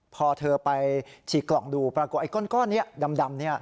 พอเธอไปฉีกกล่องดูปรากฏไอ้ก้อนนี้ดำ